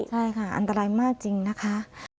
ใช่ค่ะอันตรายมากจริงนะคะ